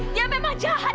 dia memang jahat